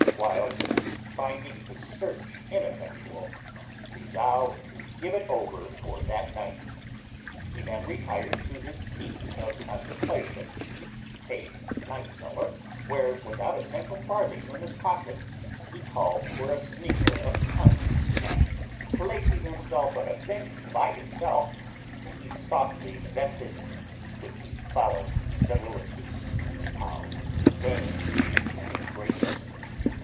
Wild, finding his search ineffectual, resolved to give it over for that night; he then retired to his seat of contemplation, a night cellar, where, without a single farthing in his pocket, he called for a sneaker of punch, and, placing himself on a bench by himself, he softly vented the following soliloquy: "How vain is human GREATNESS!